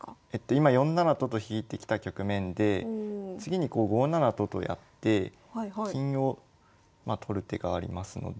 今４七と金と引いてきた局面で次に５七と金とやって金を取る手がありますので。